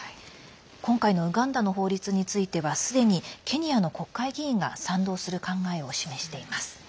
今回のウガンダの法律についてはすでにケニアの国会議員が賛同する考えを示しています。